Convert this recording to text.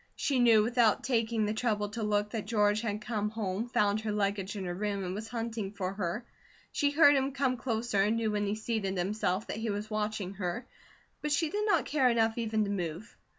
She knew without taking the trouble to look that George had come home, found her luggage in her room, and was hunting for her. She heard him come closer and knew when he seated himself that he was watching her, but she did not care enough even to move.